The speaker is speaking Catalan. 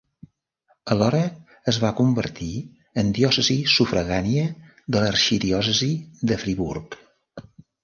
Alhora, es va convertir en diòcesi sufragània de l'arxidiòcesi de Friburg.